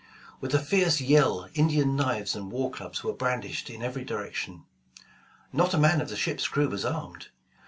With a fierce yell Indian knives and war clubs were brandished in every direction. Not a man of the ship's crew was armed.